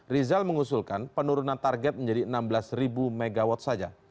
rizal mengusulkan penurunan target menjadi enam belas megawatt saja